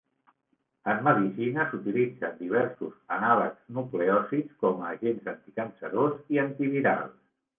En medicina, s'utilitzen diversos anàlegs nucleòsids com a agents anticancerós i antivirals.